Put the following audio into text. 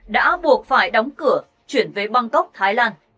đã buộc phải đóng cửa chuyển về bangkok thái lan